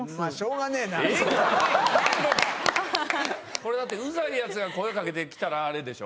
これだってうざいヤツが声掛けて来たらあれでしょ。